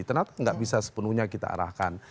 ternyata nggak bisa sepenuhnya kita arahkan